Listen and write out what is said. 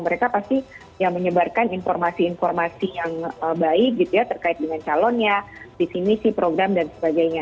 mereka pasti menyebarkan informasi informasi yang baik terkait dengan calonnya disimisi program dan sebagainya